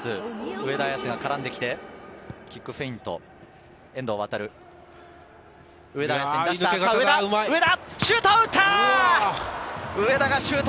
上田綺世が絡んできてキックフェイント。